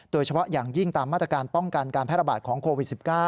โดยเฉพาะอย่างยิ่งตามมาตรการป้องกันการแพร่ระบาดของโควิด๑๙